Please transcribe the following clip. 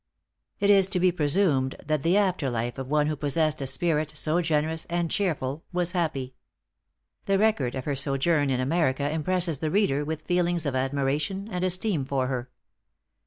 It is to be presumed that the after life of one who possessed a spirit so generous and cheerful, was happy. The record of her sojourn in America impresses the reader with feelings of admiration and esteem for her.